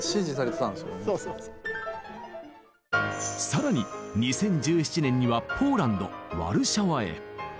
更に２０１７年にはポーランドワルシャワへ。